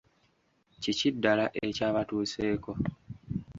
Kiki ddala ekyabatuuseeko?